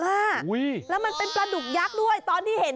แล้วมันเป็นปลาดุกยักษ์ด้วยตอนที่เห็น